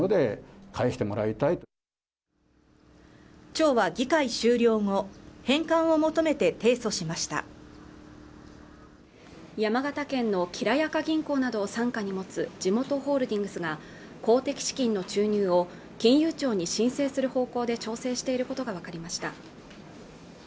町は議会終了後返還を求めて提訴しました山形県のきらやか銀行などを傘下に持つじもとホールディングスが公的資金の注入を金融庁に申請する方向で調整していることが分かりました